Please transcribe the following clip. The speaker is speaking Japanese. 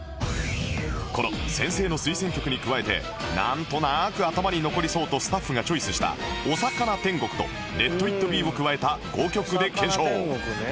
この先生の推薦曲に加えて「なんとなく頭に残りそう」とスタッフがチョイスした『おさかな天国』と『ＬｅｔＩｔＢｅ』を加えた５曲で検証